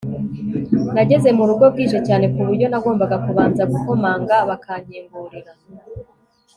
nageze murugo bwije cyane kuburyo nagombaga kubanza gukomanga bakankingurira